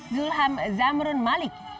zulham zamrun malik